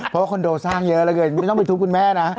เพราะว่าคอนโดสร้างเยอะเหลือเกินไม่ต้องไปทุบคุณแม่นะ